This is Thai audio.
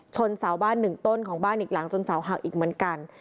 เสาบ้านหนึ่งต้นของบ้านอีกหลังจนเสาหักอีกเหมือนกัน